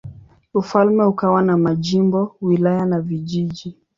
Ufalme ukawa na majimbo, wilaya na vijiji.